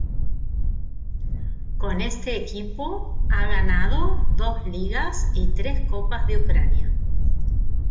Con este equipo ha ganado dos Ligas y tres Copas de Ucrania.